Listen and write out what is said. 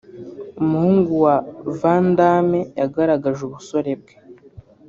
muhungu wa Van Dame yagaragaje ubusore bwe